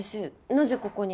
なぜここに？